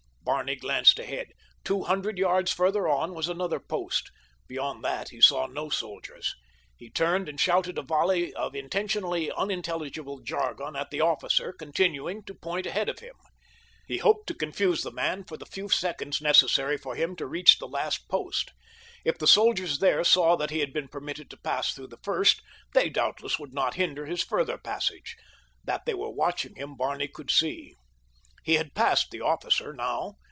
Barney glanced ahead. Two hundred yards farther on was another post—beyond that he saw no soldiers. He turned and shouted a volley of intentionally unintelligible jargon at the officer, continuing to point ahead of him. He hoped to confuse the man for the few seconds necessary for him to reach the last post. If the soldiers there saw that he had been permitted to pass through the first they doubtless would not hinder his further passage. That they were watching him Barney could see. He had passed the officer now.